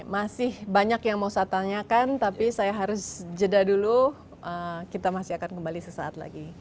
masih banyak yang mau saya tanyakan tapi saya harus jeda dulu kita masih akan kembali sesaat lagi